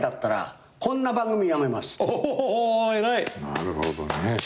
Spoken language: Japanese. なるほどね。